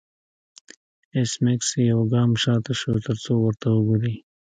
ایس میکس یو ګام شاته شو ترڅو ورته وګوري